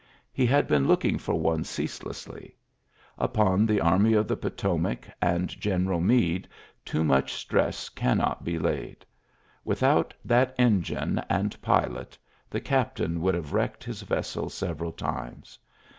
He h; been looking for one ceaselessly. Up the Army of the Potomac and Gene Meade too much stress cannot be h Without that engine and pilot the t tain would have wrecked his vessel eral times.